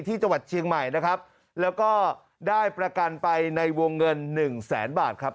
ที่จังหวัดเชียงใหม่นะครับแล้วก็ได้ประกันไปในวงเงินหนึ่งแสนบาทครับ